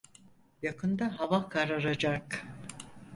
Yakında hava kararacak.